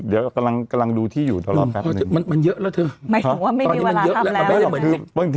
เดี๋ยวกะลังดูที่อยู่กะลอบแป๊บหนึ่ง